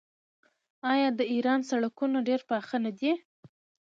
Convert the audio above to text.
آیا د ایران سړکونه ډیر پاخه نه دي؟